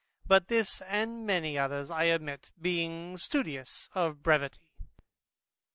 But this, and many others, I omit, being studious of brevity.